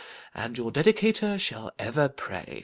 And your Dedicator shall ever pray, &c.